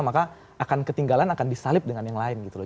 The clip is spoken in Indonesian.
maka akan ketinggalan akan disalib dengan yang lain gitu loh